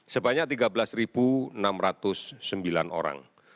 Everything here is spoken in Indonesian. sebanyak tiga belas enam ratus sembilan orang